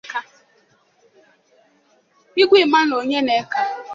Igwe Emmanuel Onyeneka